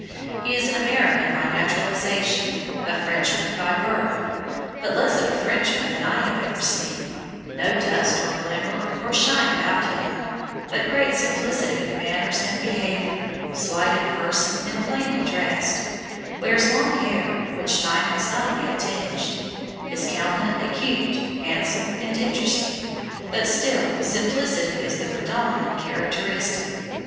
He is an American by naturalisation, a Frenchman by birth; but less of a Frenchman than I have ever seen no dust or glimmer, or shine about him, but great simplicity of manners and behaviour; slight in person and plainly dressed; wears long hair, which time has not yet tinged; his countenance acute, handsome, and interesting, but still simplicity is the predominant characteristic.